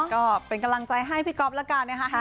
ก็เป็นกำลังใจให้พี่ก๊อฟแล้วกันนะคะ